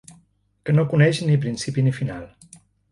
Que no coneix ni principi ni final.